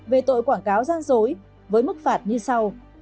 về tội quảng cáo gian dối với mức phạt như sau